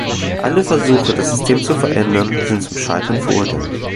Alle Versuche, das System zu verändern, sind zum Scheitern verurteilt.